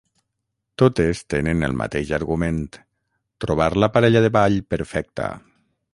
Totes tenen el mateix argument: trobar la parella de ball perfecta.